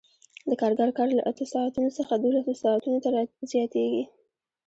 د کارګر کار له اتو ساعتونو څخه دولسو ساعتونو ته زیاتېږي